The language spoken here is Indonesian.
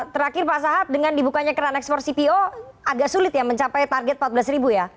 terakhir pak sahat dengan dibukanya keran ekspor cpo agak sulit ya mencapai target empat belas ribu ya